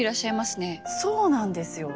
そうなんですよ。